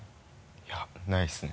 いやないですね。